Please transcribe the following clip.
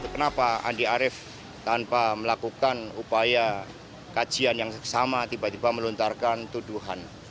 kenapa andi arief tanpa melakukan upaya kajian yang sama tiba tiba melontarkan tuduhan